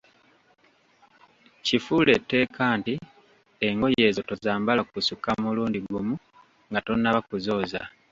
Kifuule tteeka nti engoye ezo tozambala kusukka mulundi gumu nga tonnaba kuzooza.